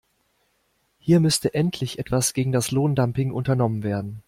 Hier müsste endlich etwas gegen das Lohndumping unternommen werden.